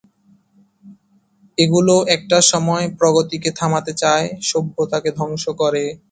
এগুলো একটা সময় প্রগতিকে থামাতে চায়, সভ্যতাকে ধ্ব্বংস করে।